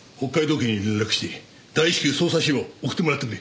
警に連絡して大至急捜査資料を送ってもらってくれ。